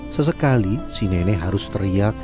sesekali si nenek harus teriak